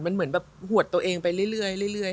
มันเหมือนแบบหวดตัวเองไปเรื่อย